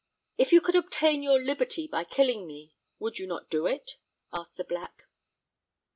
"If you could obtain your liberty by killing me, would you not do it?" asked the Black.